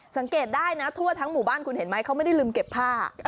สังเกตได้นะทั่วทั้งหมู่บ้านคุณเห็นไหมเขาไม่ได้ลืมเก็บผ้า